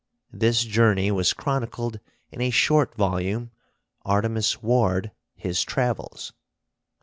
This journey was chronicled in a short volume, 'Artemus Ward, His Travels.'